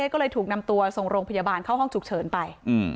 ก็เลยถูกนำตัวส่งโรงพยาบาลเข้าห้องฉุกเฉินไป